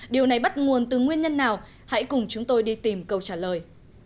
điều này bắt nguồn từ nguyên nhân nào hãy cùng chúng tôi đi tìm câu trả lời